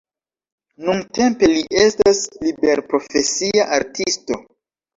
Nuntempe li estas liberprofesia artisto.